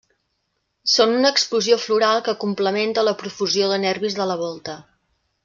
Són una explosió floral que complementa la profusió de nervis de la volta.